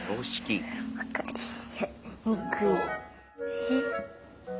えっ？